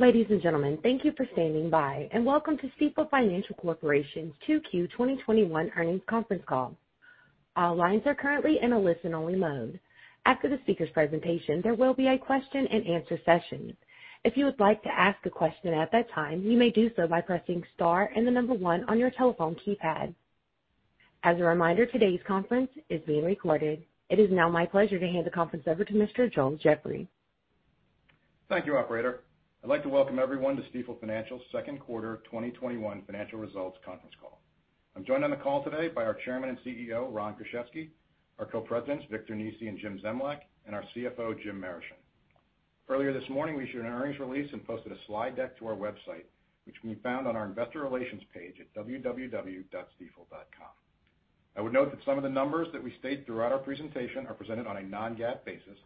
Ladies and gentlemen, thank you for standing by, and welcome to Stifel Financial Corp.'s 2Q 2021 earnings conference call. All lines are currently in a listen-only mode. After the speakers' presentation there will be a question and answer session. If you would like to ask a question at that time you may do so by pressing star and the number one on your telephone keypad. As a reminder today's conference is being recorded. It is now my pleasure to hand the conference over to Mr. Joel Jeffrey. Thank you, operator. I'd like to welcome everyone to Stifel Financial's second quarter 2021 financial results conference call. I'm joined on the call today by our Chairman and CEO, Ron Kruszewski, our Co-Presidents, Victor Nesi and Jim Zemlyak, and our CFO, Jim Marischen. Earlier this morning, we issued an earnings release and posted a slide deck to our website, which can be found on our investor relations page at www.stifel.com. I would note that some of the numbers that we state throughout our presentation are presented on a non-GAAP basis.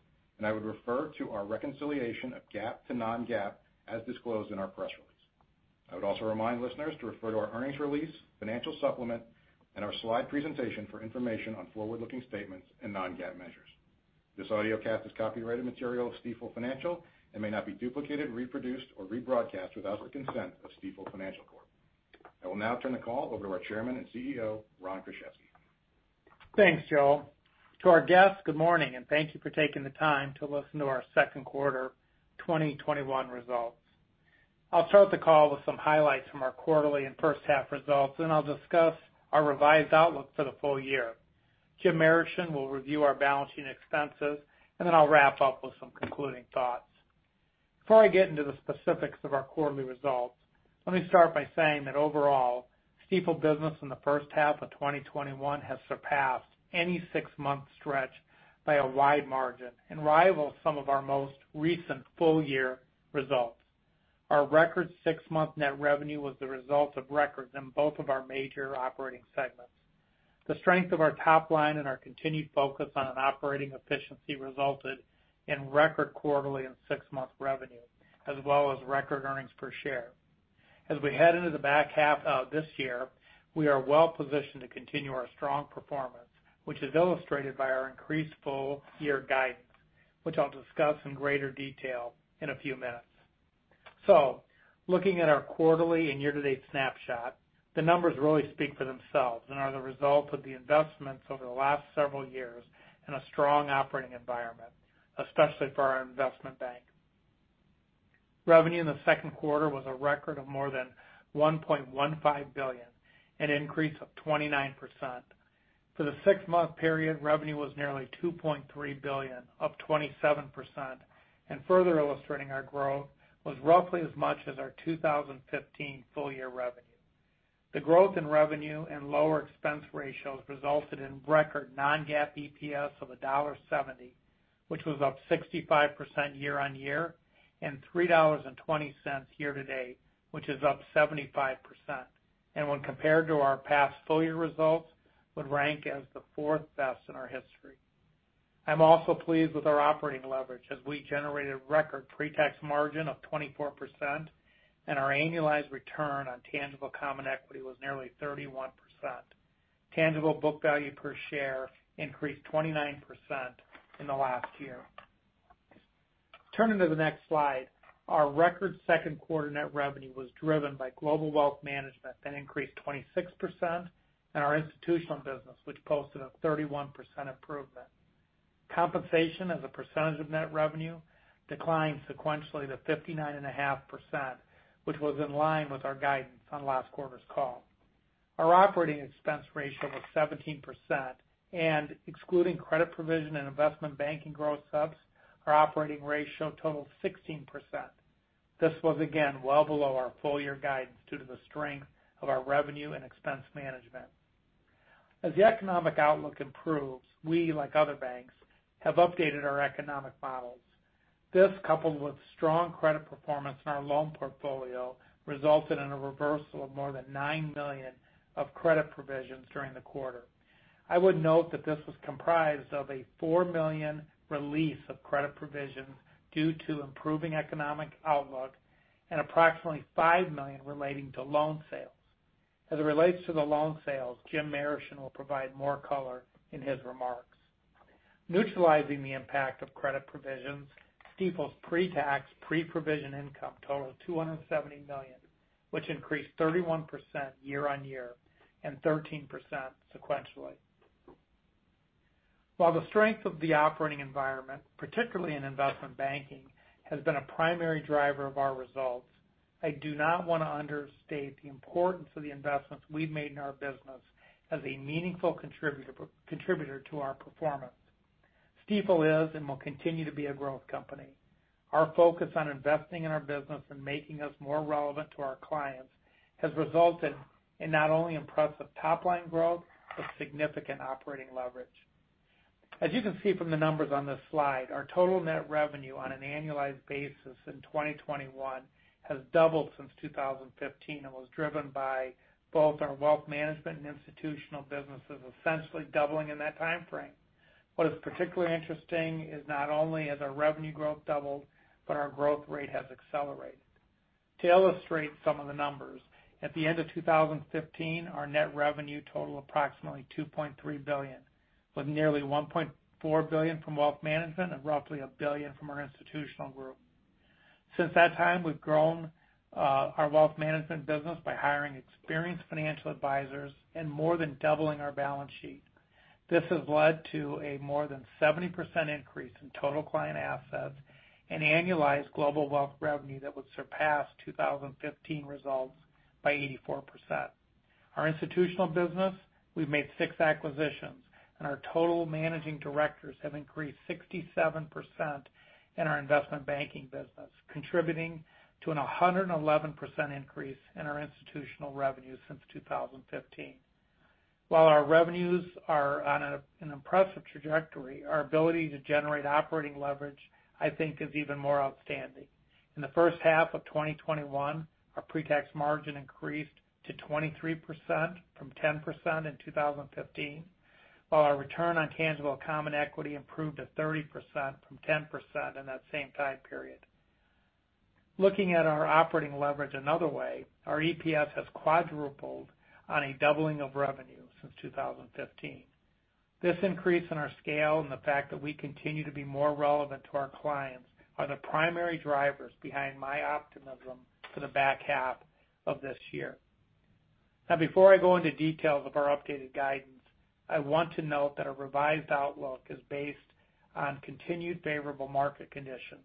I would refer to our reconciliation of GAAP to non-GAAP as disclosed in our press release. I would also remind listeners to refer to our earnings release, financial supplement, and our slide presentation for information on forward-looking statements and non-GAAP measures. This audiocast is copyrighted material of Stifel Financial and may not be duplicated, reproduced, or rebroadcast without the consent of Stifel Financial Corp. I will now turn the call over to our Chairman and CEO, Ron Kruszewski. Thanks, Joel. To our guests, good morning, and thank you for taking the time to listen to our second quarter 2021 results. I'll start the call with some highlights from our quarterly and first half results. I'll discuss our revised outlook for the full year. Jim Marischen will review our balance sheet expenses. I'll wrap up with some concluding thoughts. Before I get into the specifics of our quarterly results, let me start by saying that overall, Stifel business in the first half of 2021 has surpassed any six-month stretch by a wide margin and rivals some of our most recent full-year results. Our record six-month net revenue was the result of records in both of our major operating segments. The strength of our top line and our continued focus on operating efficiency resulted in record quarterly and six-month revenue, as well as record earnings per share. As we head into the back half of this year, we are well-positioned to continue our strong performance, which is illustrated by our increased full-year guidance, which I'll discuss in greater detail in a few minutes. Looking at our quarterly and year-to-date snapshot, the numbers really speak for themselves and are the result of the investments over the last several years in a strong operating environment, especially for our investment bank. Revenue in the second quarter was a record of more than $1.15 billion, an increase of 29%. For the six-month period, revenue was nearly $2.3 billion, up 27%, and further illustrating our growth was roughly as much as our 2015 full-year revenue. The growth in revenue and lower expense ratios resulted in record non-GAAP EPS of $1.70, which was up 65% year-on-year, and $3.20 year-to-date, which is up 75%, and when compared to our past full-year results, would rank as the fourth best in our history. I'm also pleased with our operating leverage, as we generated record pre-tax margin of 24%, and our annualized return on tangible common equity was nearly 31%. Tangible book value per share increased 29% in the last year. Turning to the next slide, our record second quarter net revenue was driven by global wealth management that increased 26%, and our institutional business, which posted a 31% improvement. Compensation as a percentage of net revenue declined sequentially to 59.5%, which was in line with our guidance on last quarter's call. Our operating expense ratio was 17%. Excluding credit provision and investment banking gross-ups, our operating ratio totaled 16%. This was again well below our full-year guidance due to the strength of our revenue and expense management. As the economic outlook improves, we, like other banks, have updated our economic models. This, coupled with strong credit performance in our loan portfolio, resulted in a reversal of more than $9 million of credit provisions during the quarter. I would note that this was comprised of a $4 million release of credit provisions due to improving economic outlook and approximately $5 million relating to loan sales. As it relates to the loan sales, Jim Marischen will provide more color in his remarks. Neutralizing the impact of credit provisions, Stifel's pre-tax, pre-provision income totaled $270 million, which increased 31% year-over-year and 13% sequentially. While the strength of the operating environment, particularly in investment banking, has been a primary driver of our results, I do not want to understate the importance of the investments we've made in our business as a meaningful contributor to our performance. Stifel is and will continue to be a growth company. Our focus on investing in our business and making us more relevant to our clients has resulted in not only impressive top-line growth but significant operating leverage. As you can see from the numbers on this slide, our total net revenue on an annualized basis in 2021 has doubled since 2015 and was driven by both our wealth management and institutional businesses essentially doubling in that timeframe. What is particularly interesting is not only has our revenue growth doubled, but our growth rate has accelerated. To illustrate some of the numbers, at the end of 2015, our net revenue totaled approximately $2.3 billion, with nearly $1.4 billion from wealth management and roughly $1 billion from our institutional group. Since that time, we've grown our wealth management business by hiring experienced financial advisors and more than doubling our balance sheet. This has led to a more than 70% increase in total client assets and annualized global wealth revenue that would surpass 2015 results by 84%. Our institutional business, we've made six acquisitions, and our total managing directors have increased 67% in our investment banking business, contributing to a 111% increase in our institutional revenue since 2015. While our revenues are on an impressive trajectory, our ability to generate operating leverage, I think, is even more outstanding. In the first half of 2021, our pre-tax margin increased to 23% from 10% in 2015, while our return on tangible common equity improved to 30% from 10% in that same time period. Looking at our operating leverage another way, our EPS has quadrupled on a doubling of revenue since 2015. This increase in our scale and the fact that we continue to be more relevant to our clients are the primary drivers behind my optimism for the back half of this year. Now, before I go into details of our updated guidance, I want to note that our revised outlook is based on continued favorable market conditions.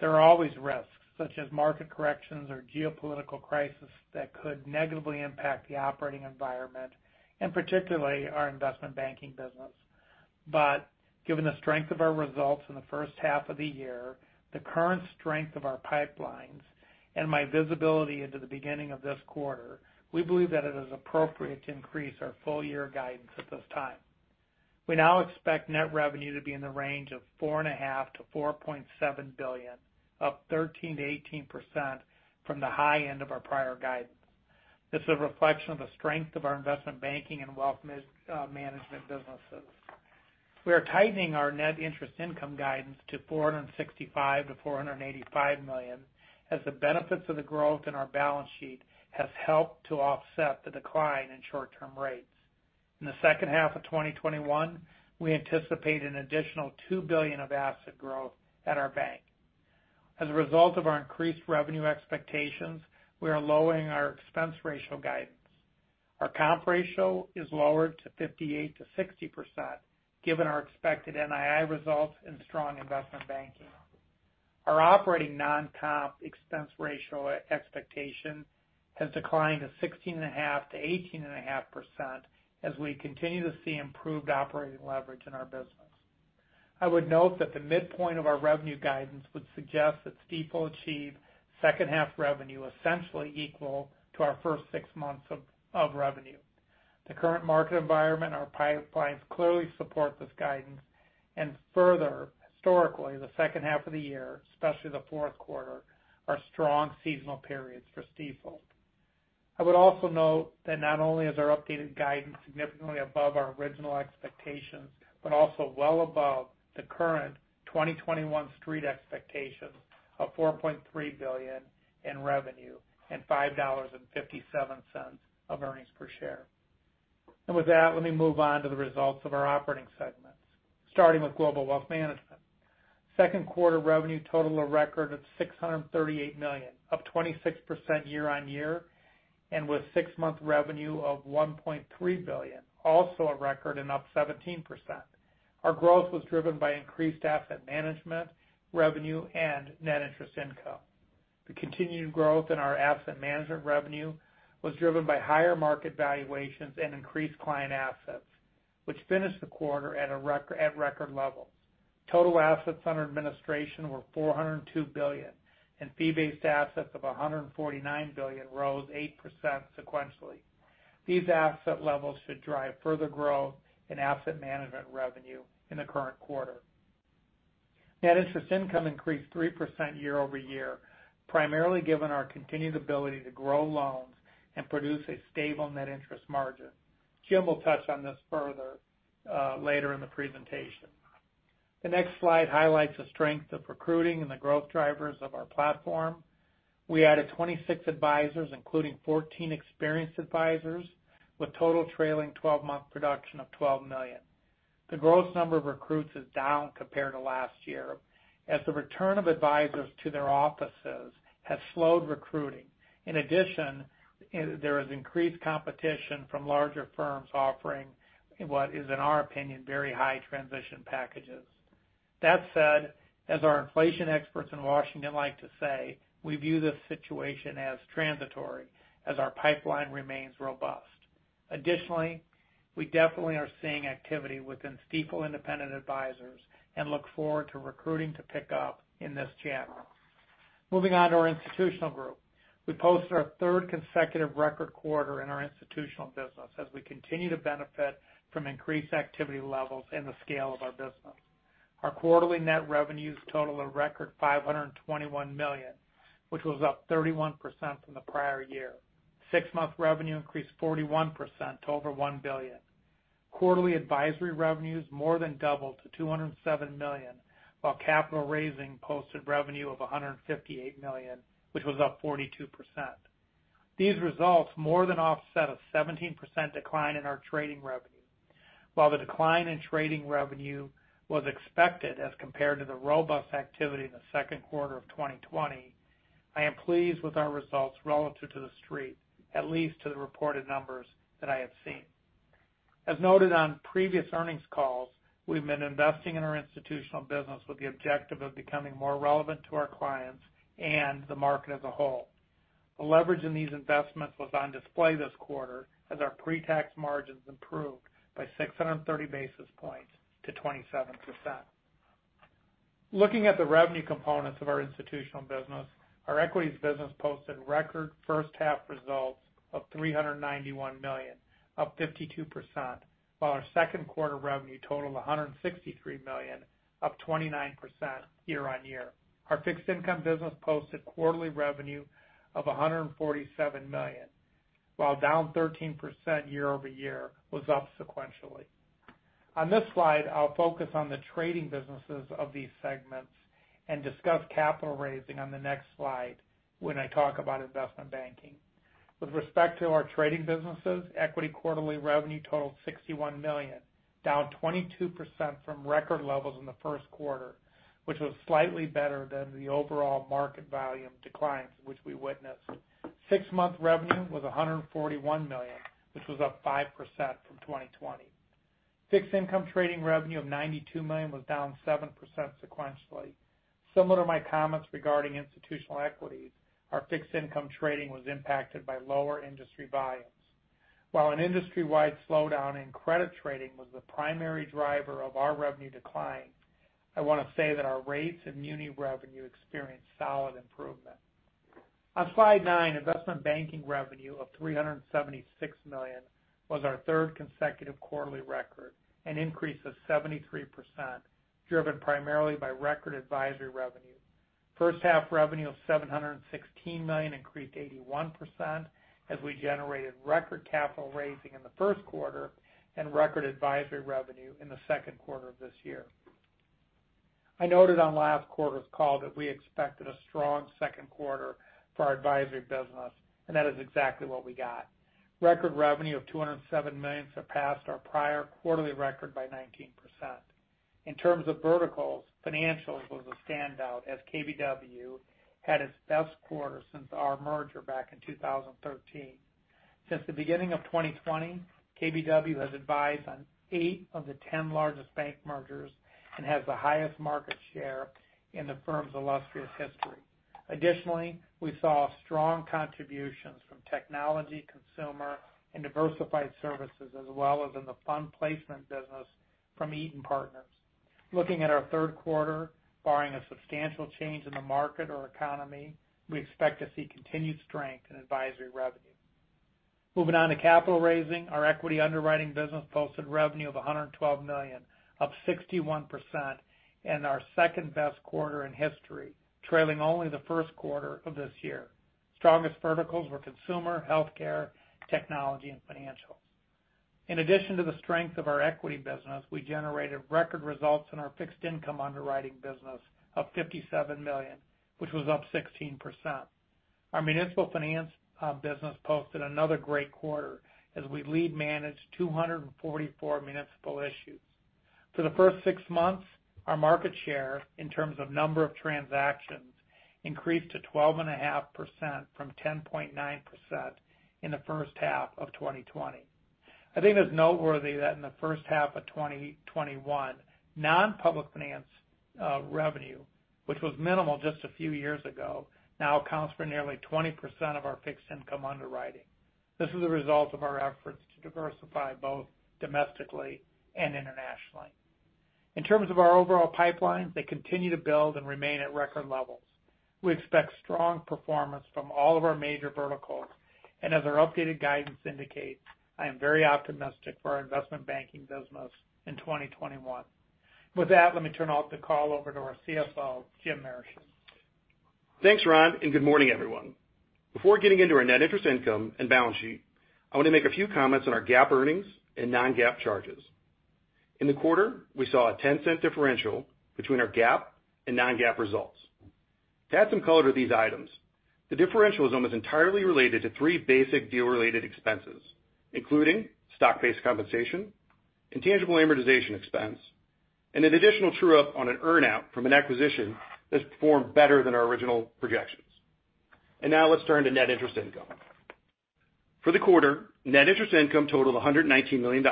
There are always risks, such as market corrections or geopolitical crisis that could negatively impact the operating environment, and particularly our investment banking business. Given the strength of our results in the first half of the year, the current strength of our pipelines, and my visibility into the beginning of this quarter, we believe that it is appropriate to increase our full-year guidance at this time. We now expect net revenue to be in the range of $4.5 billion-$4.7 billion, up 13%-18% from the high end of our prior guidance. This is a reflection of the strength of our investment banking and wealth management businesses. We are tightening our net interest income guidance to $465 million-$485 million, as the benefits of the growth in our balance sheet has helped to offset the decline in short-term rates. In the second half of 2021, we anticipate an additional $2 billion of asset growth at our bank. As a result of our increased revenue expectations, we are lowering our expense ratio guidance. Our comp ratio is lowered to 58%-60%, given our expected NII results and strong investment banking. Our operating non-comp expense ratio expectation has declined to 16.5%-18.5% as we continue to see improved operating leverage in our business. I would note that the midpoint of our revenue guidance would suggest that Stifel achieve second half revenue essentially equal to our first six months of revenue. The current market environment and our pipelines clearly support this guidance. Further, historically, the second half of the year, especially the fourth quarter, are strong seasonal periods for Stifel. I would also note that not only is our updated guidance significantly above our original expectations, but also well above the current 2021 street expectations of $4.3 billion in revenue and $5.57 of earnings per share. With that, let me move on to the results of our operating segments, starting with global wealth management. Second quarter revenue totaled a record of $638 million, up 26% year-on-year, with six-month revenue of $1.3 billion, also a record and up 17%. Our growth was driven by increased asset management revenue and net interest income. The continued growth in our asset management revenue was driven by higher market valuations and increased client assets, which finished the quarter at record levels. Total assets under administration were $402 billion, and fee-based assets of $149 billion rose 8% sequentially. These asset levels should drive further growth in asset management revenue in the current quarter. Net interest income increased 3% year-over-year, primarily given our continued ability to grow loans and produce a stable net interest margin. Jim will touch on this further later in the presentation. The next slide highlights the strength of recruiting and the growth drivers of our platform. We added 26 advisors, including 14 experienced advisors, with total trailing 12-month production of $12 million. The gross number of recruits is down compared to last year as the return of advisors to their offices has slowed recruiting. In addition, there is increased competition from larger firms offering what is, in our opinion, very high transition packages. That said, as our inflation experts in Washington like to say, we view this situation as transitory as our pipeline remains robust. Additionally, we definitely are seeing activity within Stifel Independent Advisors and look forward to recruiting to pick up in this channel. Moving on to our institutional group. We posted our third consecutive record quarter in our institutional business as we continue to benefit from increased activity levels and the scale of our business. Our quarterly net revenues total a record $521 million, which was up 31% from the prior year. Six-month revenue increased 41% to over $1 billion. Quarterly advisory revenues more than doubled to $207 million, while capital raising posted revenue of $158 million, which was up 42%. These results more than offset a 17% decline in our trading revenue. While the decline in trading revenue was expected as compared to the robust activity in the second quarter of 2020, I am pleased with our results relative to The Street, at least to the reported numbers that I have seen. As noted on previous earnings calls, we've been investing in our institutional business with the objective of becoming more relevant to our clients and the market as a whole. The leverage in these investments was on display this quarter as our pre-tax margins improved by 630 basis points to 27%. Looking at the revenue components of our institutional business, our equities business posted record first-half results of $391 million, up 52%, while our second quarter revenue totaled $163 million, up 29% year-on-year. Our fixed income business posted quarterly revenue of $147 million, while down 13% year-over-year was up sequentially. On this slide, I'll focus on the trading businesses of these segments and discuss capital raising on the next slide when I talk about investment banking. With respect to our trading businesses, equity quarterly revenue totaled $61 million, down 22% from record levels in the first quarter, which was slightly better than the overall market volume declines which we witnessed. Six-month revenue was $141 million, which was up 5% from 2020. Fixed income trading revenue of $92 million was down 7% sequentially. Similar to my comments regarding institutional equities, our fixed income trading was impacted by lower industry volumes. While an industry-wide slowdown in credit trading was the primary driver of our revenue decline, I want to say that our rates and muni revenue experienced solid improvement. On slide nine, investment banking revenue of $376 million was our third consecutive quarterly record, an increase of 73%, driven primarily by record advisory revenue. First-half revenue of $716 million increased 81% as we generated record capital raising in the first quarter and record advisory revenue in the second quarter of this year. I noted on last quarter's call that we expected a strong second quarter for our advisory business, and that is exactly what we got. Record revenue of $207 million surpassed our prior quarterly record by 19%. In terms of verticals, financials was a standout as KBW had its best quarter since our merger back in 2013. Since the beginning of 2020, KBW has advised on eight of the 10 largest bank mergers and has the highest market share in the firm's illustrious history. Additionally, we saw strong contributions from technology, consumer, and diversified services, as well as in the fund placement business from Eaton Partners. Looking at our third quarter, barring a substantial change in the market or economy, we expect to see continued strength in advisory revenue. Moving on to capital raising, our equity underwriting business posted revenue of $112 million, up 61%, and our second-best quarter in history, trailing only the first quarter of this year. Strongest verticals were consumer, healthcare, technology, and financials. In addition to the strength of our equity business, we generated record results in our fixed income underwriting business of $57 million, which was up 16%. Our municipal finance business posted another great quarter as we lead managed 244 municipal issues. For the first six months, our market share in terms of number of transactions increased to 12.5% from 10.9% in the first half of 2020. I think it's noteworthy that in the first half of 2021, non-public finance revenue, which was minimal just a few years ago, now accounts for nearly 20% of our fixed income underwriting. This is a result of our efforts to diversify both domestically and internationally. In terms of our overall pipeline, they continue to build and remain at record levels. We expect strong performance from all of our major verticals, and as our updated guidance indicates, I am very optimistic for our investment banking business in 2021. With that, let me turn the call over to our CFO, Jim Marischen. Thanks, Ron, and good morning, everyone. Before getting into our net interest income and balance sheet, I want to make a few comments on our GAAP earnings and non-GAAP charges. In the quarter, we saw a $0.10 differential between our GAAP and non-GAAP results. To add some color to these items, the differential is almost entirely related to three basic deal-related expenses, including stock-based compensation, intangible amortization expense, and an additional true-up on an earn-out from an acquisition that's performed better than our original projections. Now let's turn to net interest income. For the quarter, net interest income totaled $119 million,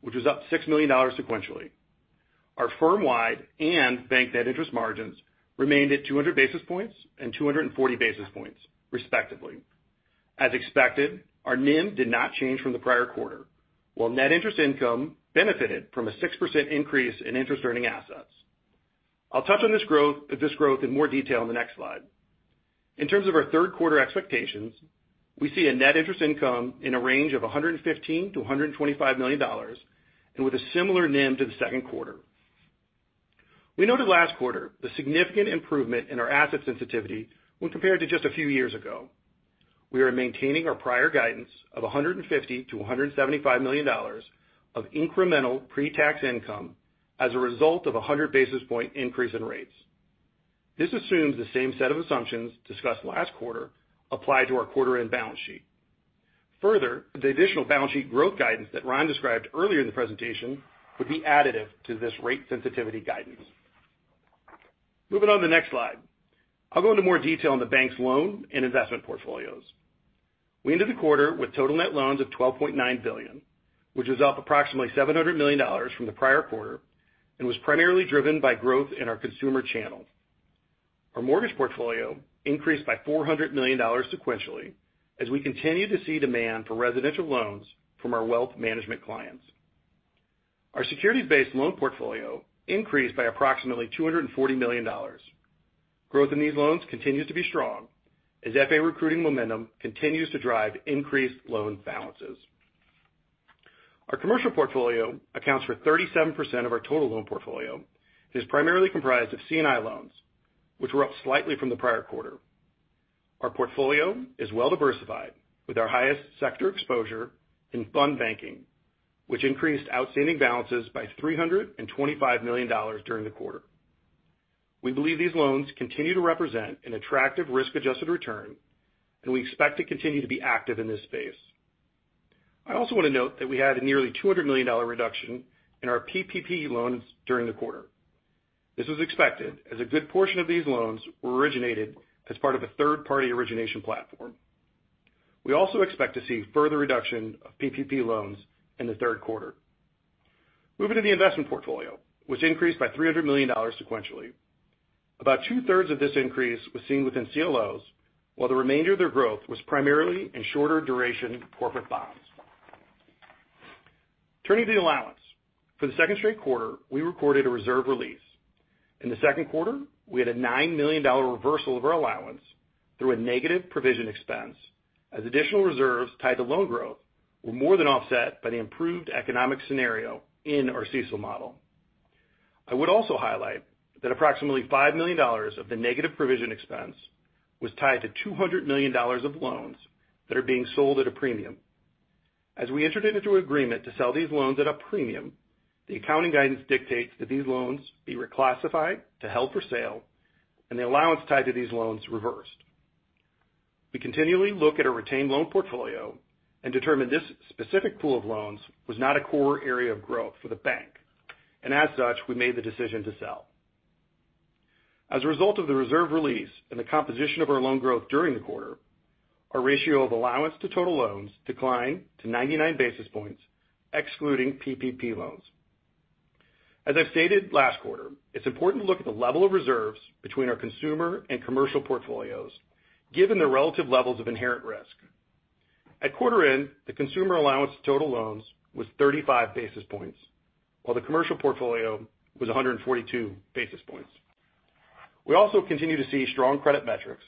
which was up $6 million sequentially. Our firm-wide and bank net interest margins remained at 200 basis points and 240 basis points, respectively. As expected, our NIM did not change from the prior quarter, while net interest income benefited from a 6% increase in interest-earning assets. I'll touch on this growth in more detail in the next slide. In terms of our third quarter expectations, we see a net interest income in a range of $115 million-$125 million with a similar NIM to the second quarter. We noted last quarter the significant improvement in our asset sensitivity when compared to just a few years ago. We are maintaining our prior guidance of $150 million-$175 million of incremental pre-tax income as a result of a 100 basis point increase in rates. This assumes the same set of assumptions discussed last quarter apply to our quarter end balance sheet. Further, the additional balance sheet growth guidance that Ron Kruszewski described earlier in the presentation would be additive to this rate sensitivity guidance. Moving on to the next slide. I'll go into more detail on the bank's loan and investment portfolios. We ended the quarter with total net loans of $12.9 billion, which is up approximately $700 million from the prior quarter and was primarily driven by growth in our consumer channel. Our mortgage portfolio increased by $400 million sequentially as we continue to see demand for residential loans from our wealth management clients. Our securities-based loan portfolio increased by approximately $240 million. Growth in these loans continues to be strong as FA recruiting momentum continues to drive increased loan balances. Our commercial portfolio accounts for 37% of our total loan portfolio and is primarily comprised of C&I loans, which were up slightly from the prior quarter. Our portfolio is well-diversified with our highest sector exposure in fund banking, which increased outstanding balances by $325 million during the quarter. We believe these loans continue to represent an attractive risk-adjusted return, and we expect to continue to be active in this space. I also want to note that we had a nearly $200 million reduction in our PPP loans during the quarter. This was expected, as a good portion of these loans were originated as part of a third-party origination platform. We also expect to see further reduction of PPP loans in the third quarter. Moving to the investment portfolio, which increased by $300 million sequentially. About 2/3 of this increase was seen within CLOs, while the remainder of their growth was primarily in shorter duration corporate bonds. Turning to the allowance. For the second straight quarter, we recorded a reserve release. In the second quarter, we had a $9 million reversal of our allowance through a negative provision expense as additional reserves tied to loan growth were more than offset by the improved economic scenario in our CECL model. I would also highlight that approximately $5 million of the negative provision expense was tied to $200 million of loans that are being sold at a premium. As we entered into an agreement to sell these loans at a premium, the accounting guidance dictates that these loans be reclassified to held for sale and the allowance tied to these loans reversed. We continually look at a retained loan portfolio and determine this specific pool of loans was not a core area of growth for the bank, and as such, we made the decision to sell. As a result of the reserve release and the composition of our loan growth during the quarter, our ratio of allowance to total loans declined to 99 basis points, excluding PPP loans. As I've stated last quarter, it's important to look at the level of reserves between our consumer and commercial portfolios, given the relative levels of inherent risk. At quarter end, the consumer allowance to total loans was 35 basis points, while the commercial portfolio was 142 basis points. We also continue to see strong credit metrics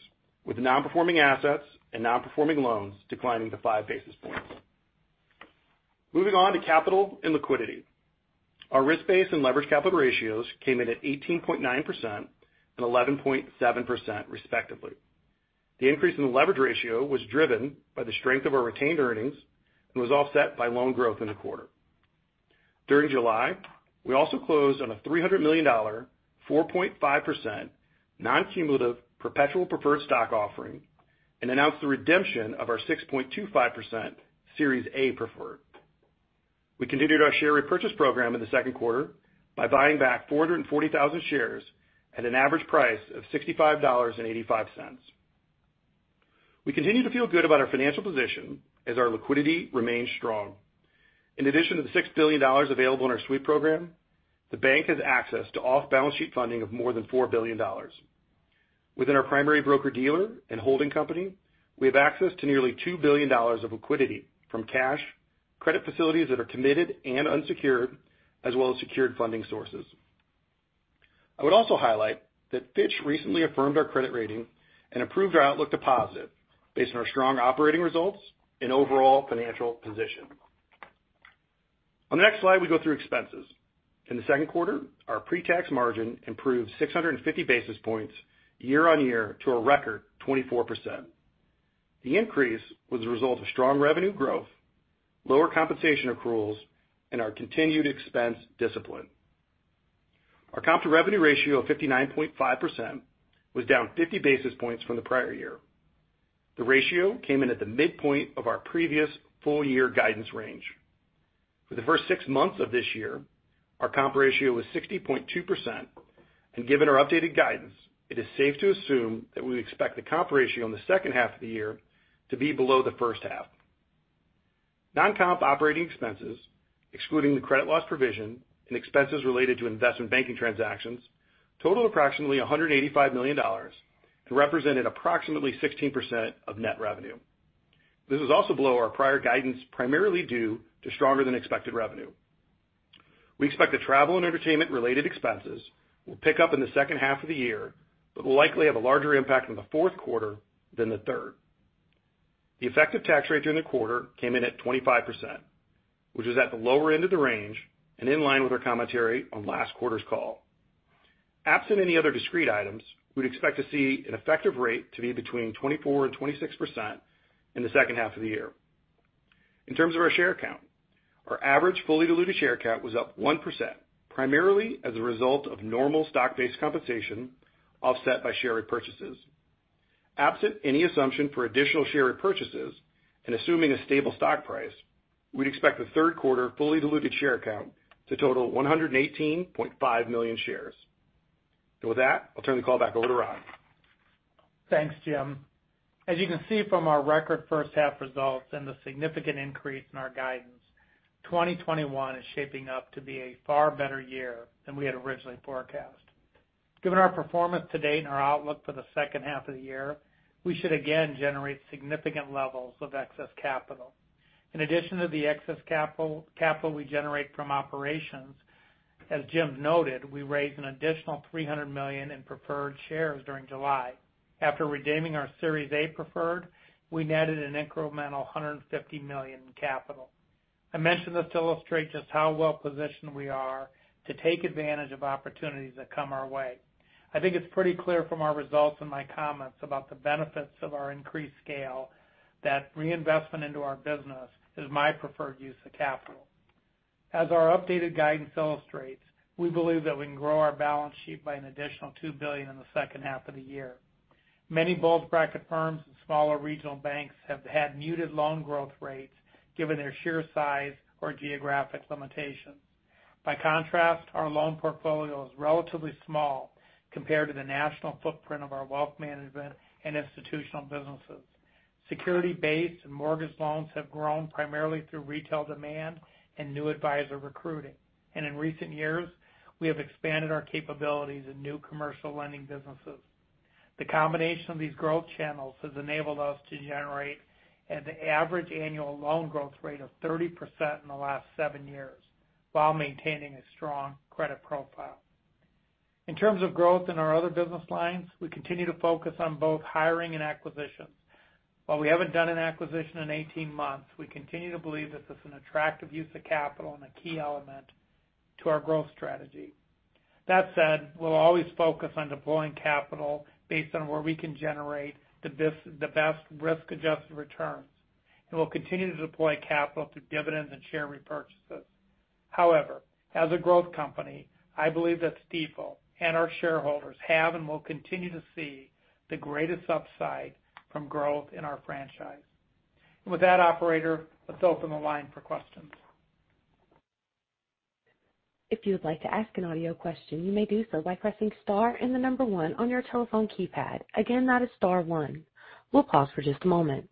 with non-performing assets and non-performing loans declining to 5 basis points. Moving on to capital and liquidity. Our risk-based and leverage capital ratios came in at 18.9% and 11.7%, respectively. The increase in the leverage ratio was driven by the strength of our retained earnings and was offset by loan growth in the quarter. During July, we also closed on a $300 million 4.5% non-cumulative perpetual preferred stock offering and announced the redemption of our 6.25% Series A preferred. We continued our share repurchase program in the second quarter by buying back 440,000 shares at an average price of $65.85. We continue to feel good about our financial position as our liquidity remains strong. In addition to the $6 billion available in our sweep program, the bank has access to off-balance sheet funding of more than $4 billion. Within our primary broker-dealer and holding company, we have access to nearly $2 billion of liquidity from cash, credit facilities that are committed and unsecured, as well as secured funding sources. I would also highlight that Fitch recently affirmed our credit rating and improved our outlook to positive based on our strong operating results and overall financial position. On the next slide, we go through expenses. In the second quarter, our pre-tax margin improved 650 basis points year-over-year to a record 24%. The increase was a result of strong revenue growth, lower compensation accruals, and our continued expense discipline. Our comp-to-revenue ratio of 59.5% was down 50 basis points from the prior year. The ratio came in at the midpoint of our previous full year guidance range. For the first six months of this year, our comp ratio was 60.2%, and given our updated guidance, it is safe to assume that we expect the comp ratio in the second half of the year to be below the first half. Non-comp operating expenses, excluding the credit loss provision and expenses related to investment banking transactions, totaled approximately $185 million and represented approximately 16% of net revenue. This is also below our prior guidance, primarily due to stronger than expected revenue. We expect the travel and entertainment related expenses will pick up in the second half of the year but will likely have a larger impact in the fourth quarter than the third. The effective tax rate during the quarter came in at 25%, which is at the lower end of the range and in line with our commentary on last quarter's call. Absent any other discrete items, we'd expect to see an effective rate to be between 24% and 26% in the second half of the year. In terms of our share count, our average fully diluted share count was up 1%, primarily as a result of normal stock-based compensation offset by share repurchases. Absent any assumption for additional share repurchases and assuming a stable stock price, we'd expect the third quarter fully diluted share count to total 118.5 million shares. With that, I'll turn the call back over to Ron. Thanks, Jim. As you can see from our record first half results and the significant increase in our guidance, 2021 is shaping up to be a far better year than we had originally forecast. Given our performance to date and our outlook for the second half of the year, we should again generate significant levels of excess capital. In addition to the excess capital we generate from operations, as Jim noted, we raised an additional $300 million in preferred shares during July. After redeeming our Series A preferred, we netted an incremental $150 million in capital. I mention this to illustrate just how well-positioned we are to take advantage of opportunities that come our way. I think it's pretty clear from our results and my comments about the benefits of our increased scale that reinvestment into our business is my preferred use of capital. As our updated guidance illustrates, we believe that we can grow our balance sheet by an additional $2 billion in the second half of the year. Many bulge bracket firms and smaller regional banks have had muted loan growth rates given their sheer size or geographic limitations. By contrast, our loan portfolio is relatively small compared to the national footprint of our global wealth management and institutional businesses. Securities-based and mortgage loans have grown primarily through retail demand and new advisor recruiting. In recent years, we have expanded our capabilities in new commercial lending businesses. The combination of these growth channels has enabled us to generate an average annual loan growth rate of 30% in the last seven years while maintaining a strong credit profile. In terms of growth in our other business lines, we continue to focus on both hiring and acquisitions. While we haven't done an acquisition in 18 months, we continue to believe that this is an attractive use of capital and a key element to our growth strategy. That said, we'll always focus on deploying capital based on where we can generate the best risk-adjusted returns, and we'll continue to deploy capital through dividends and share repurchases. However, as a growth company, I believe that Stifel and our shareholders have and will continue to see the greatest upside from growth in our franchise. With that, operator, let's open the line for questions. If you would like to ask an audio question, you may do so by pressing star and the number one on your telephone keypad. Again, that is star one. We'll pause for just a moment.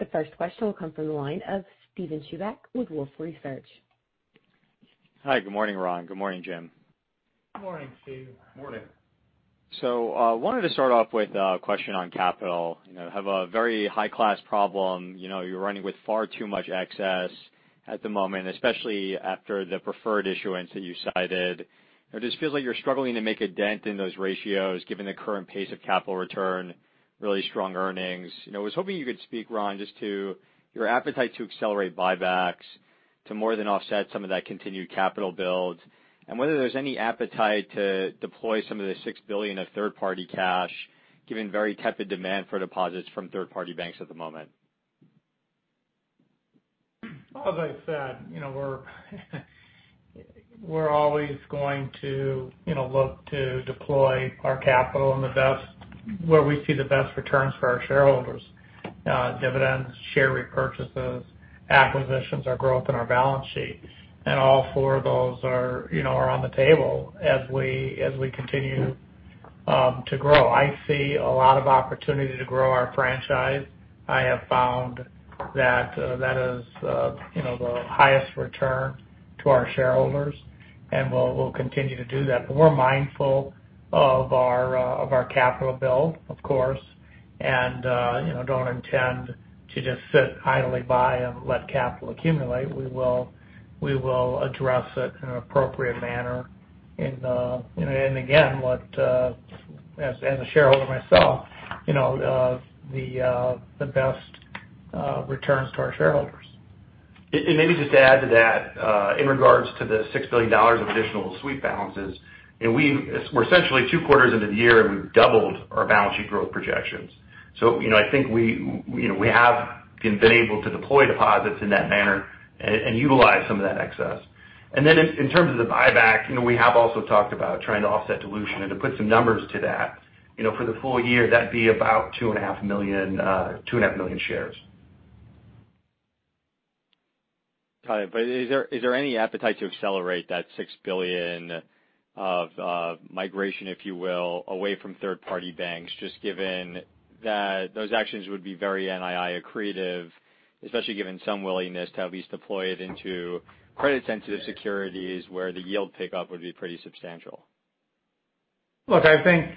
The first question will come from the line of Steven Chubak with Wolfe Research. Hi, good morning, Ron. Good morning, Jim. Good morning, Steve. Morning. Wanted to start off with a question on capital. Have a very high-class problem. You're running with far too much excess at the moment, especially after the preferred issuance that you cited. It just feels like you're struggling to make a dent in those ratios given the current pace of capital return, really strong earnings. I was hoping you could speak, Ron, just to your appetite to accelerate buybacks to more than offset some of that continued capital build and whether there's any appetite to deploy some of the 6 billion of third-party cash, given very tepid demand for deposits from third-party banks at the moment. As I said, we're always going to look to deploy our capital where we see the best returns for our shareholders. Dividends, share repurchases, acquisitions, or growth in our balance sheet. All four of those are on the table as we continue to grow. I see a lot of opportunity to grow our franchise. I have found that is the highest return to our shareholders, and we'll continue to do that. We're mindful of our capital build, of course, and don't intend to just sit idly by and let capital accumulate. We will address it in an appropriate manner, and again, as a shareholder myself, the best returns to our shareholders. Maybe just to add to that, in regards to the $6 billion of additional sweep balances, we're essentially two quarters into the year, and we've doubled our balance sheet growth projections. I think we have been able to deploy deposits in that manner and utilize some of that excess. In terms of the buyback, we have also talked about trying to offset dilution and to put some numbers to that. For the full year, that'd be about 2.5 million shares. Got it. Is there any appetite to accelerate that $6 billion of migration, if you will, away from third-party banks, just given that those actions would be very NII accretive, especially given some willingness to at least deploy it into credit-sensitive securities where the yield pickup would be pretty substantial? Look, I think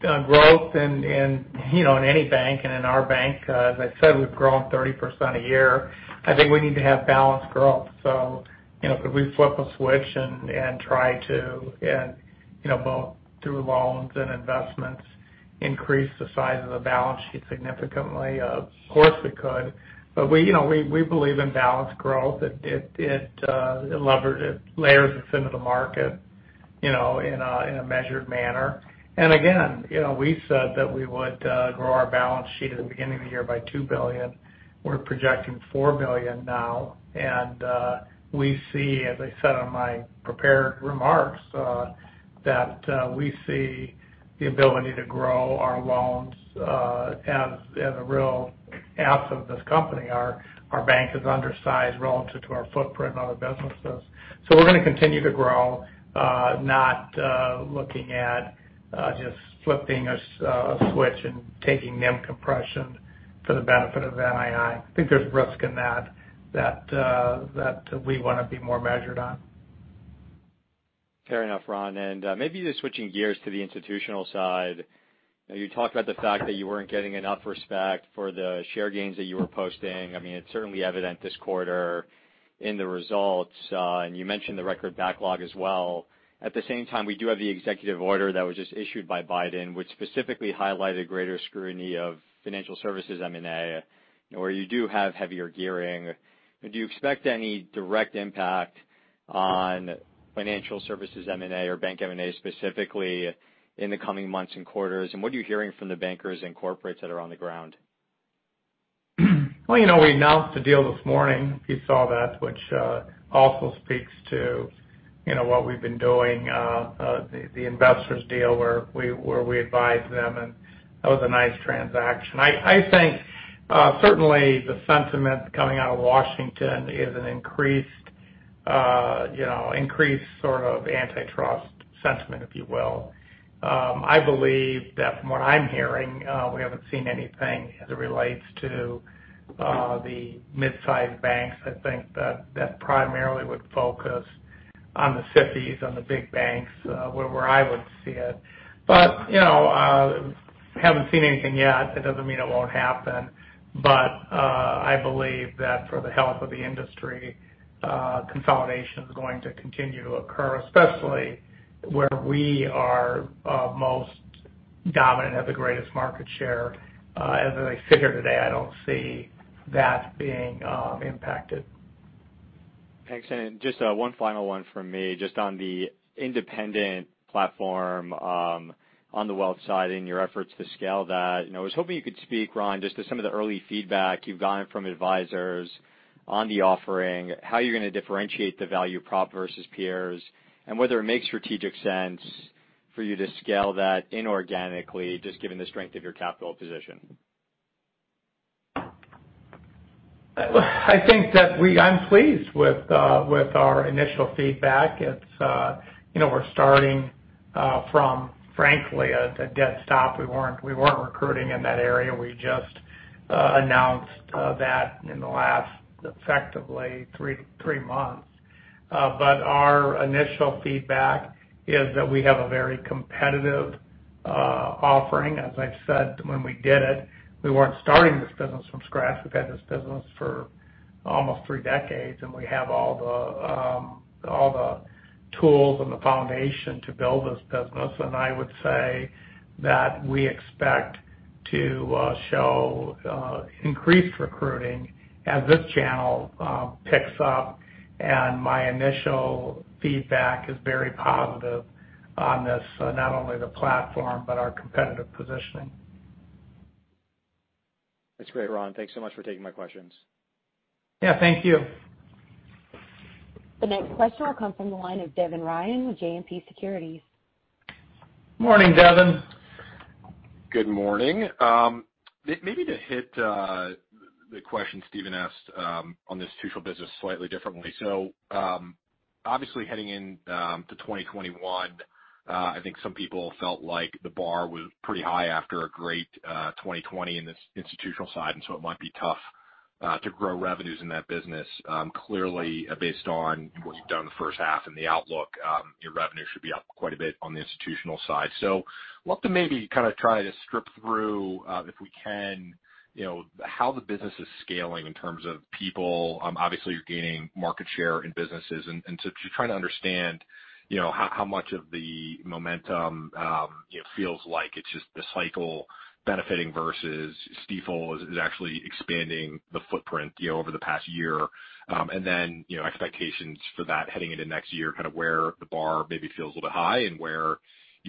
growth in any bank and in our bank, as I said, we've grown 30% a year. I think we need to have balanced growth. Could we flip a switch and try to, both through loans and investments, increase the size of the balance sheet significantly? Of course, we could. But we believe in balanced growth. It layers us into the market in a measured manner. Again, we said that we would grow our balance sheet at the beginning of the year by $2 billion. We're projecting $4 billion now. We see, as I said in my prepared remarks, that we see the ability to grow our loans as the real asset of this company. Our bank is undersized relative to our footprint and other businesses. We're going to continue to grow, not looking at just flipping a switch and taking NIM compression for the benefit of NII. I think there's risk in that that we want to be more measured on. Fair enough, Ron. Maybe just switching gears to the institutional side. You talked about the fact that you weren't getting enough respect for the share gains that you were posting. It's certainly evident this quarter in the results. You mentioned the record backlog as well. At the same time, we do have the executive order that was just issued by Biden, which specifically highlighted greater scrutiny of financial services M&A, where you do have heavier gearing. Do you expect any direct impact on financial services M&A or bank M&A specifically in the coming months and quarters? What are you hearing from the bankers and corporates that are on the ground? Well, we announced a deal this morning, if you saw that, which also speaks to what we've been doing the investments deal where we advised them, that was a nice transaction. I think, certainly the sentiment coming out of Washington is an increased sort of antitrust sentiment, if you will. I believe that from what I'm hearing, we haven't seen anything as it relates to the mid-sized banks. I think that primarily would focus on the SIFI, on the big banks, where I would see it. Haven't seen anything yet. It doesn't mean it won't happen. I believe that for the health of the industry, consolidation is going to continue to occur, especially where we are most dominant, have the greatest market share. As I sit here today, I don't see that being impacted. Thanks. Just one final one from me, just on the independent platform on the wealth side and your efforts to scale that. I was hoping you could speak, Ron, just to some of the early feedback you've gotten from advisors on the offering. How you're going to differentiate the value prop versus peers, and whether it makes strategic sense for you to scale that inorganically, just given the strength of your capital position. I think that I'm pleased with our initial feedback. We're starting from, frankly, a dead stop. We weren't recruiting in that area. We just announced that in the last, effectively, three months. Our initial feedback is that we have a very competitive offering. As I said, when we did it, we weren't starting this business from scratch. We've had this business for almost three decades, and we have all the tools and the foundation to build this business. I would say that we expect to show increased recruiting as this channel picks up. My initial feedback is very positive on this, not only the platform, but our competitive positioning. That's great, Ron. Thanks so much for taking my questions. Yeah. Thank you. The next question will come from the line of Devin Ryan with JMP Securities. Morning, Devin. Good morning. Maybe to hit the question Steven asked on the institutional business slightly differently. Obviously heading into 2021, I think some people felt like the bar was pretty high after a great 2020 in the institutional side, and so it might be tough to grow revenues in that business. Clearly, based on what you've done in the first half and the outlook, your revenue should be up quite a bit on the institutional side. I'd love to maybe kind of try to strip through, if we can, how the business is scaling in terms of people. Obviously, you're gaining market share in businesses. Just trying to understand how much of the momentum feels like it's just the cycle benefiting versus Stifel is actually expanding the footprint over the past year. Expectations for that heading into next year, kind of where the bar maybe feels a little bit high and where you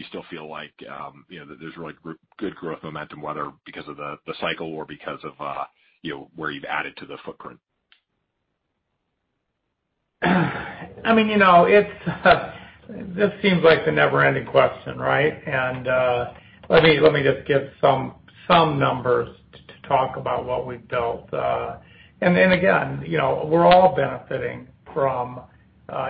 still feel like there's really good growth momentum, whether because of the cycle or because of where you've added to the footprint. This seems like the never-ending question, right? Let me just give some numbers to talk about what we've built. Again, we're all benefiting from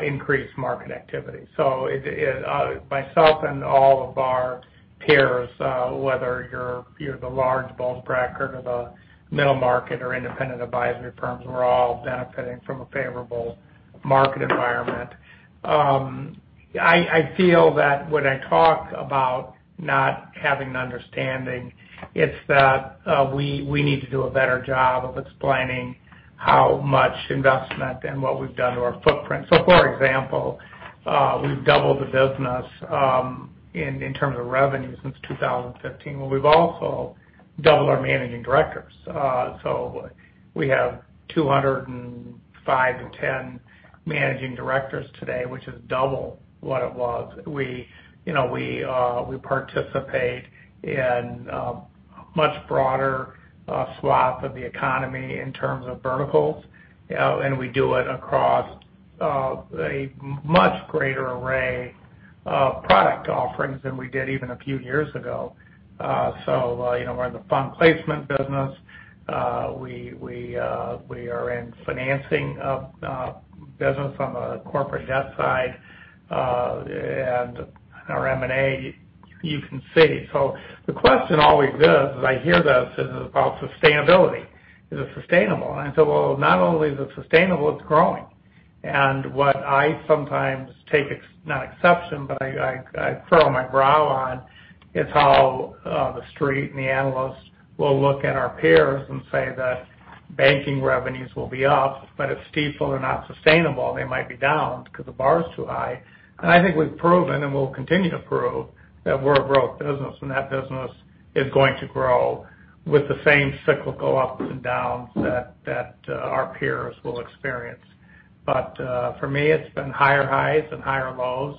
increased market activity. Myself and all of our peers, whether you're the large bulge bracket or the middle market or independent advisory firms, we're all benefiting from a favorable market environment. I feel that when I talk about not having an understanding, it's that we need to do a better job of explaining how much investment and what we've done to our footprint. For example, we've doubled the business in terms of revenue since 2015. Well, we've also doubled our managing directors. We have 205 to 10 managing directors today, which is double what it was. We participate in a much broader swath of the economy in terms of verticals, and we do it across a much greater array of product offerings than we did even a few years ago. We're in the fund placement business. We are in financing business on the corporate debt side, and our M&A, you can see. The question always is, as I hear this, is about sustainability. Is it sustainable? I said, "Well, not only is it sustainable, it's growing." What I sometimes take, not exception, but I furrow my brow on, is how The Street and the analysts will look at our peers and say that banking revenues will be up, but at Stifel, they're not sustainable. They might be down because the bar is too high. I think we've proven and we'll continue to prove that we're a growth business, and that business is going to grow with the same cyclical ups and downs that our peers will experience. For me, it's been higher highs and higher lows.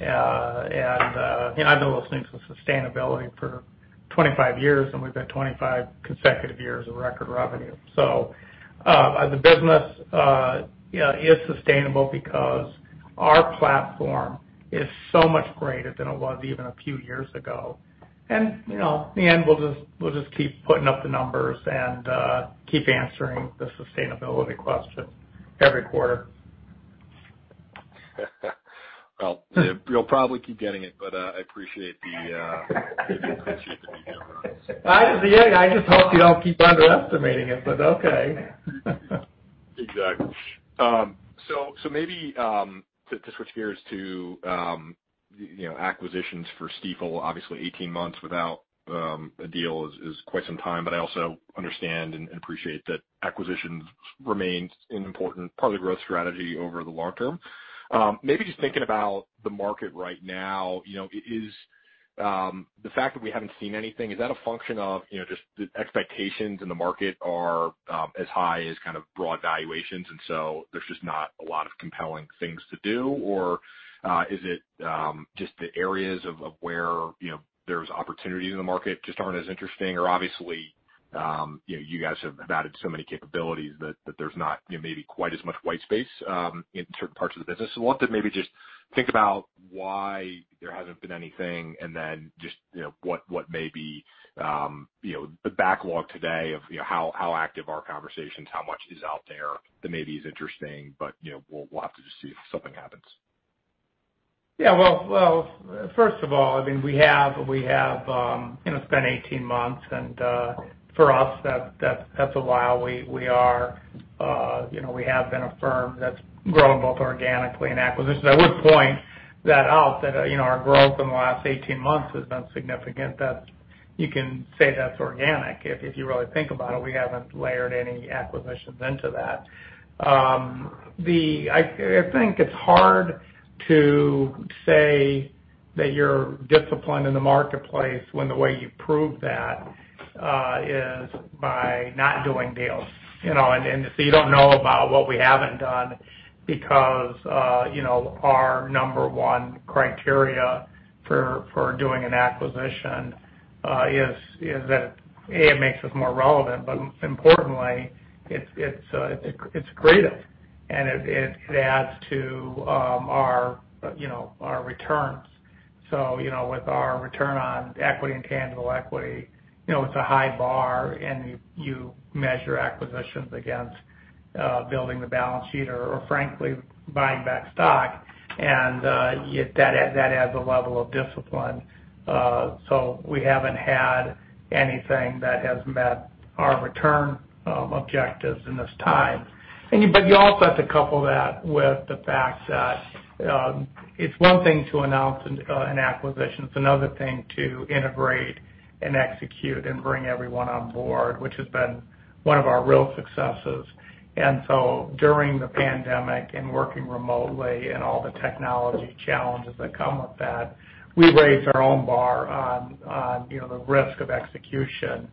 I've been listening to sustainability for 25 years, and we've had 25 consecutive years of record revenue. The business is sustainable because our platform is so much greater than it was even a few years ago. In the end, we'll just keep putting up the numbers and keep answering the sustainability question every quarter. Well, you'll probably keep getting it, I appreciate the appreciate that you gave on that. At the end, I just hope you don't keep underestimating it, but okay. Exactly. Maybe to switch gears to acquisitions for Stifel, obviously 18 months without a deal is quite some time, but I also understand and appreciate that acquisitions remain an important part of the growth strategy over the long term. Maybe just thinking about the market right now. The fact that we haven't seen anything, is that a function of just the expectations in the market are as high as kind of broad valuations, and so there's just not a lot of compelling things to do? Is it just the areas of where there's opportunities in the market just aren't as interesting? Obviously, you guys have added so many capabilities that there's not maybe quite as much white space in certain parts of the business. We'll have to maybe just think about why there hasn't been anything and then just what maybe the backlog today of how active are conversations, how much is out there that maybe is interesting, but we'll have to just see if something happens. Well, first of all, we have spent 18 months. For us, that's a while. We have been a firm that's grown both organically and acquisitions. I would point that out that our growth in the last 18 months has been significant. You can say that's organic. If you really think about it, we haven't layered any acquisitions into that. I think it's hard to say that you're disciplined in the marketplace when the way you prove that is by not doing deals. You don't know about what we haven't done because our number one criteria for doing an acquisition is that, A, it makes us more relevant, but importantly, it's accretive, and it adds to our returns. With our return on equity and tangible equity, it's a high bar, and you measure acquisitions against building the balance sheet or frankly, buying back stock. That adds a level of discipline. We haven't had anything that has met our return objectives in this time. You also have to couple that with the fact that it's one thing to announce an acquisition. It's another thing to integrate and execute and bring everyone on board, which has been one of our real successes. During the pandemic and working remotely and all the technology challenges that come with that, we raised our own bar on the risk of execution,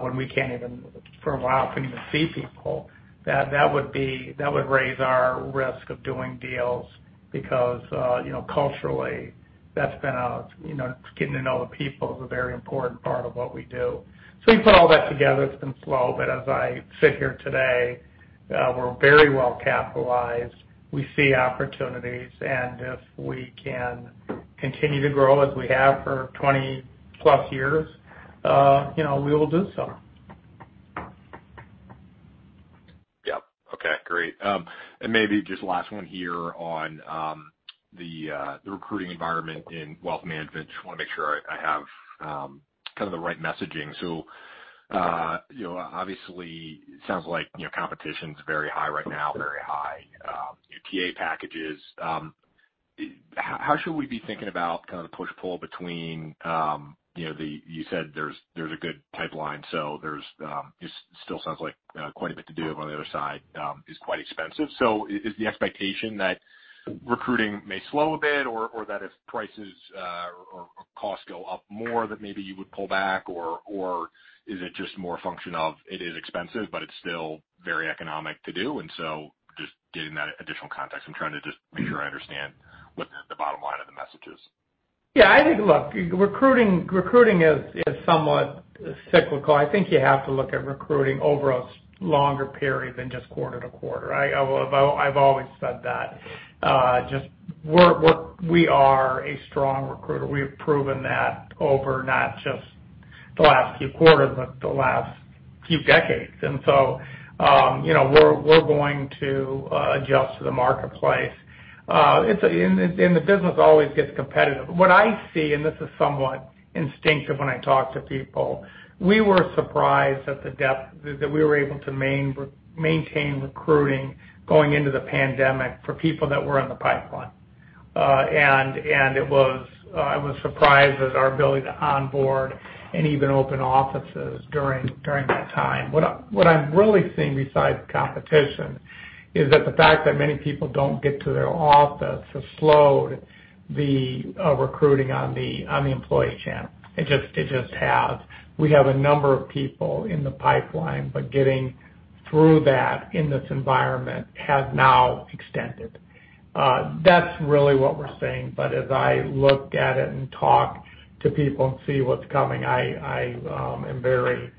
when we can't even, for a while, couldn't even see people. That would raise our risk of doing deals because culturally, getting to know the people is a very important part of what we do. You put all that together, it's been slow, but as I sit here today, we're very well capitalized. We see opportunities, and if we can continue to grow as we have for 20+ years, we will do so. Yep. Okay, great. Maybe just last one here on the recruiting environment in wealth management. Just want to make sure I have kind of the right messaging. Obviously, it sounds like competition's very high right now. Very high TA packages. How should we be thinking about the push-pull? You said there's a good pipeline, so it still sounds like quite a bit to do, but on the other side, is quite expensive. Is the expectation that recruiting may slow a bit or that if prices or costs go up more, that maybe you would pull back, or is it just more a function of it is expensive, but it's still very economic to do? Just getting that additional context. I'm trying to just make sure I understand what the bottom line of the message is. Yeah. Look, recruiting is somewhat cyclical. I think you have to look at recruiting over a longer period than just quarter to quarter. I've always said that. We are a strong recruiter. We have proven that over not just the last few quarters, but the last few decades. We're going to adjust to the marketplace. The business always gets competitive. What I see, this is somewhat instinctive when I talk to people, we were surprised at the depth that we were able to maintain recruiting going into the pandemic for people that were in the pipeline. I was surprised as our ability to onboard and even open offices during that time. What I'm really seeing besides competition is that the fact that many people don't get to their office has slowed the recruiting on the employee channel. It just has. We have a number of people in the pipeline, but getting through that in this environment has now extended. That's really what we're seeing. As I look at it and talk to people and see what's coming, I am very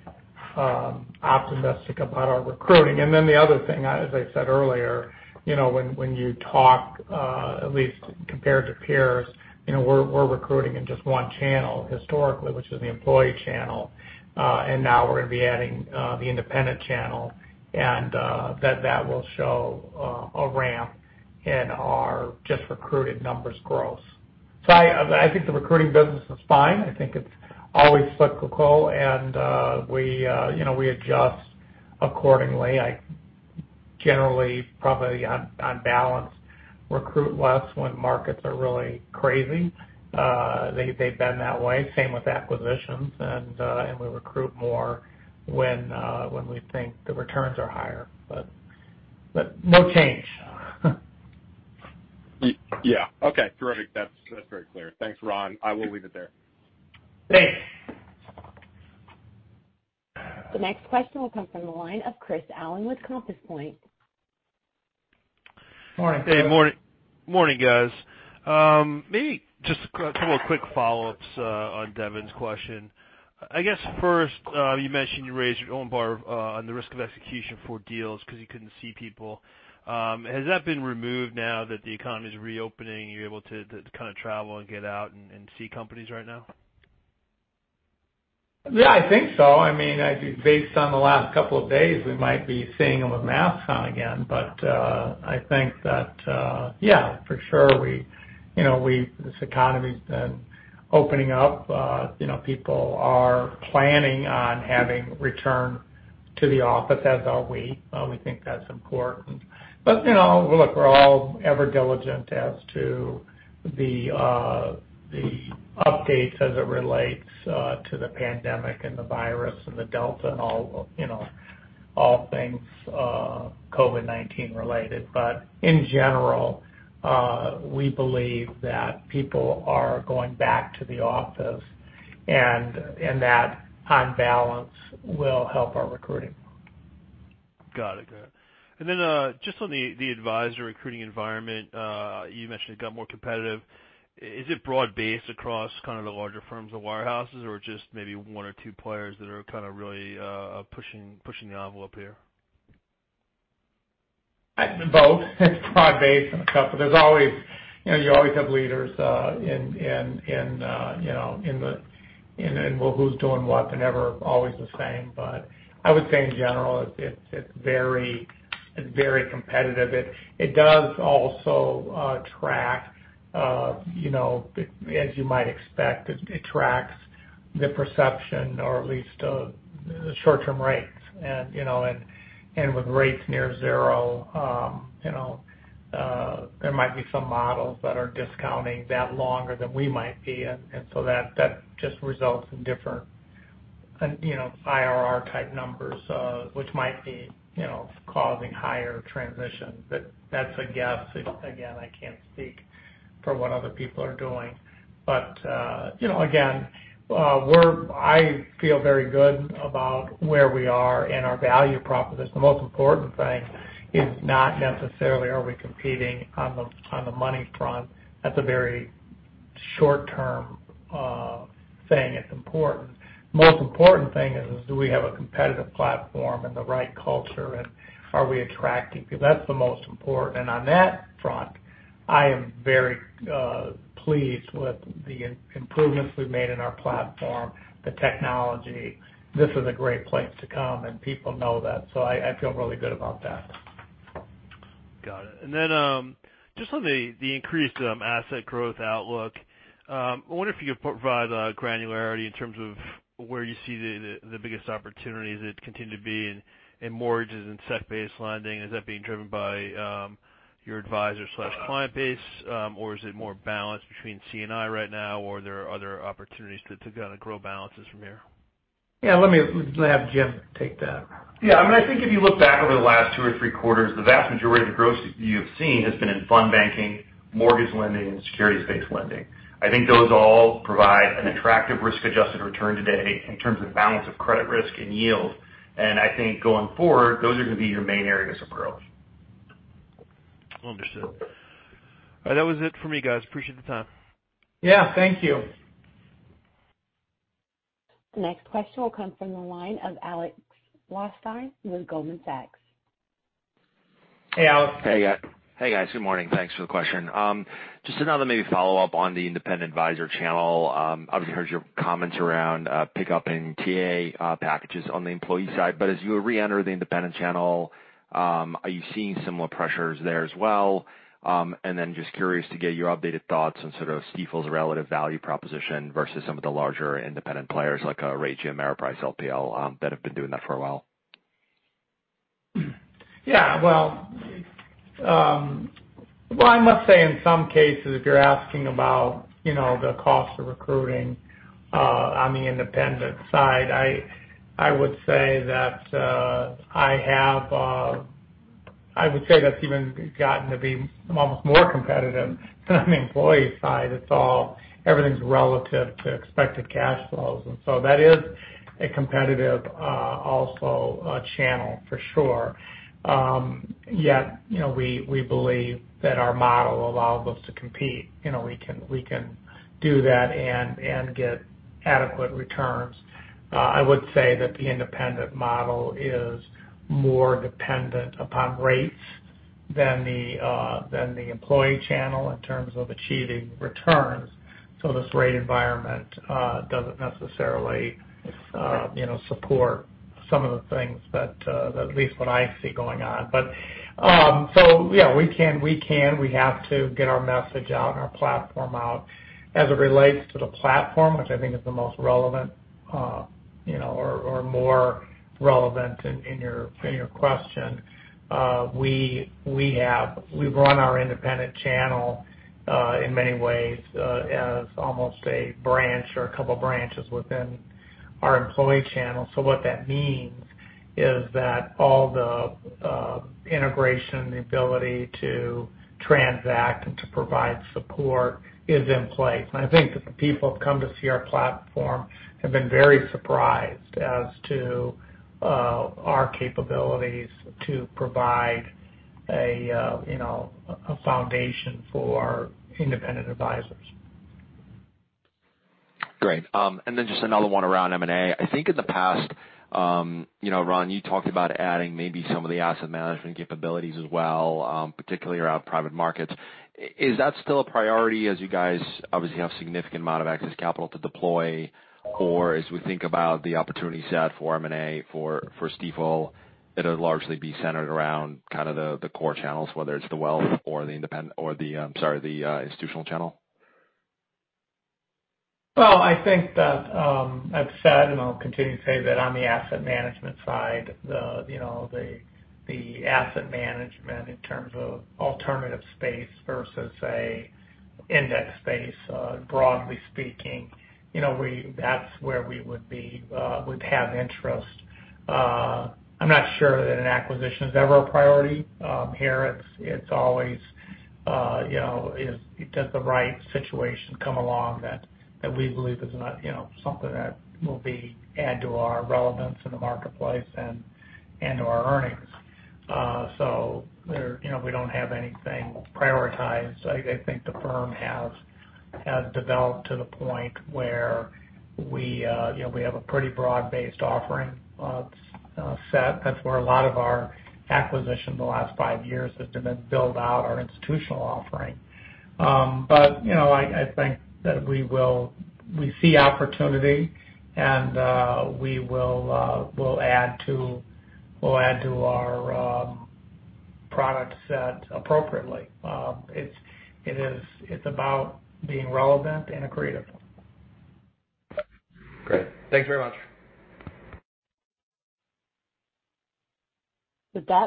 optimistic about our recruiting. Then the other thing, as I said earlier, when you talk, at least compared to peers, we're recruiting in just one channel historically, which is the employee channel. Now we're going to be adding the independent channel, and that will show a ramp in our recruited numbers growth. I think the recruiting business is fine. I think it's always cyclical, and we adjust accordingly. I generally, probably on balance, recruit less when markets are really crazy. They bend that way. Same with acquisitions. We recruit more when we think the returns are higher, but no change. Yeah. Okay, terrific. That's very clear. Thanks, Ron. I will leave it there. Thanks. The next question will come from the line of Chris Allen with Compass Point. Morning, Chris. Hey, morning, guys. Maybe just a couple of quick follow-ups on Devin's question. I guess first, you mentioned you raised your own bar on the risk of execution for deals because you couldn't see people. Has that been removed now that the economy's reopening, you're able to kind of travel and get out and see companies right now? Yeah, I think so. Based on the last couple of days, we might be seeing them with masks on again. I think that, yeah, for sure. This economy's been opening up. People are planning on having return to the office, as are we. We think that's important. Look, we're all ever diligent as to the updates as it relates to the pandemic and the virus and the Delta and all things COVID-19 related. In general, we believe that people are going back to the office, and that on balance, will help our recruiting. Got it. Just on the advisor recruiting environment, you mentioned it got more competitive. Is it broad-based across the larger firms, the wirehouses, or just maybe one or two players that are really pushing the envelope here? Both. It's broad-based and a couple. You always have leaders in who's doing what. They're never always the same. I would say in general, it's very competitive. As you might expect, it tracks the perception or at least the short-term rates. With rates near zero, there might be some models that are discounting that longer than we might be. That just results in different IRR type numbers, which might be causing higher transitions. That's a guess. Again, I can't speak for what other people are doing. Again, I feel very good about where we are and our value proposition. The most important thing is not necessarily are we competing on the money front. That's a very short-term thing. It's important. Most important thing is, do we have a competitive platform and the right culture, and are we attracting people? That's the most important. On that front, I am very pleased with the improvements we've made in our platform, the technology. This is a great place to come, and people know that. I feel really good about that. Got it. Just on the increased asset growth outlook, I wonder if you could provide granularity in terms of where you see the biggest opportunities that continue to be in mortgages and securities-based lending. Is that being driven by your advisor/client base? Is it more balanced between C&I right now? Are there other opportunities to kind of grow balances from here? Yeah. Let me have Jim take that. Yeah. I think if you look back over the last two or three quarters, the vast majority of the growth you have seen has been in fund banking, mortgage lending, and securities-based lending. I think those all provide an attractive risk-adjusted return today in terms of balance of credit risk and yield. I think going forward, those are going to be your main areas of growth. Understood. All right, that was it for me, guys. Appreciate the time. Yeah. Thank you. Next question will come from the line of Alex Blostein with Goldman Sachs. Hey, Alex. Hey, guys. Good morning. Thanks for the question. Just another maybe follow-up on the independent advisor channel. Obviously, heard your comments around pick-up in TA packages on the employee side. As you reenter the independent channel, are you seeing similar pressures there as well? Just curious to get your updated thoughts on sort of Stifel's relative value proposition versus some of the larger independent players like [Raymond James] Ameriprise, LPL, that have been doing that for a while. Yeah. Well, I must say, in some cases, if you're asking about the cost of recruiting on the independent side, I would say that's even gotten to be almost more competitive than on the employee side. Everything's relative to expected cash flows. That is a competitive also channel for sure. Yet, we believe that our model allows us to compete. We can do that and get adequate returns. I would say that the independent model is more dependent upon rates than the employee channel in terms of achieving returns. This rate environment doesn't necessarily support some of the things that, at least what I see going on. Yeah, we have to get our message out and our platform out. As it relates to the platform, which I think is the most relevant, or more relevant in your question. We've run our independent channel, in many ways, as almost a branch or a couple branches within our employee channel. What that means is that all the integration, the ability to transact and to provide support is in place. I think that the people who have come to see our platform have been very surprised as to our capabilities to provide a foundation for independent advisors. Great. Just another one around M&A. I think in the past, Ron, you talked about adding maybe some of the asset management capabilities as well, particularly around private markets. Is that still a priority as you guys obviously have significant amount of excess capital to deploy? As we think about the opportunity set for M&A for Stifel, it'll largely be centered around kind of the core channels, whether it's the wealth or the independent or the institutional channel? Well, I think that I've said, and I'll continue to say that on the asset management side, the asset management in terms of alternative space versus a index space, broadly speaking, that's where we would have interest. I'm not sure that an acquisition is ever a priority. Here it's always, does the right situation come along that we believe is something that will add to our relevance in the marketplace and to our earnings? We don't have anything prioritized. I think the firm has developed to the point where we have a pretty broad-based offering set. That's where a lot of our acquisition the last five years has been build out our institutional offering. I think that we see opportunity, and we'll add to our product set appropriately. It's about being relevant and accretive. Great. Thanks very much.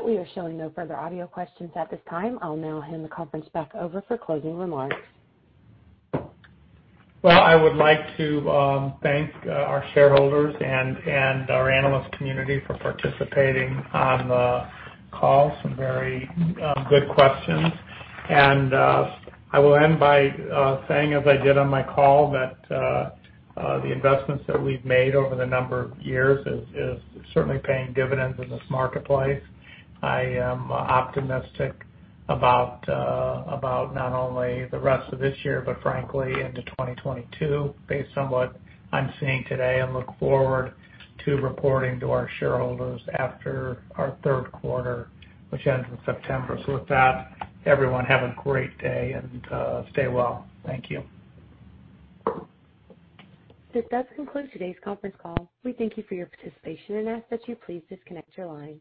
We are showing no further audio questions at this time. I'll now hand the conference back over for closing remarks. Well, I would like to thank our shareholders and our analyst community for participating on the call. Some very good questions. I will end by saying, as I did on my call, that the investments that we've made over the number of years is certainly paying dividends in this marketplace. I am optimistic about not only the rest of this year, but frankly into 2022 based on what I'm seeing today, and look forward to reporting to our shareholders after our third quarter, which ends in September. With that, everyone have a great day and stay well. Thank you. This does conclude today's conference call. We thank you for your participation and ask that you please disconnect your lines.